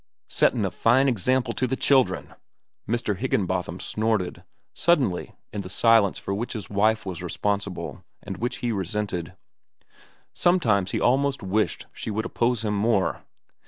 "Settin' a fine example to the children," Mr. Higginbotham snorted, suddenly, in the silence for which his wife was responsible and which he resented. Sometimes he almost wished she would oppose him more.